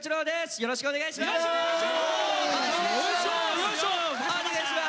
よろしくお願いします！